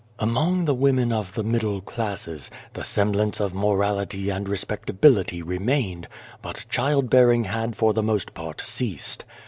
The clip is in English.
" Among the women of the middle classes, the semblance of morality and respectability remained, but child bearing had for the most part ceased.